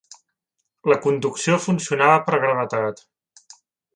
La conducció funcionava per gravetat.